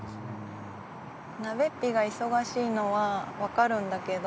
なべっぴが忙しいのはわかるんだけど。